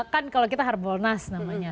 kan kalau kita hard bonus namanya